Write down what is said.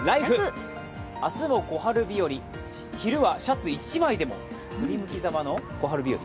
明日も小春日和、昼はシャツ１枚でも振り向きざまの、小春日和？